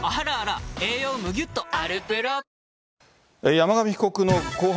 山上被告の公判